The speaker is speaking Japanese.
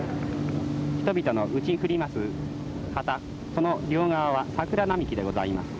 「人々の打ち振ります旗その両側は桜並木でございます。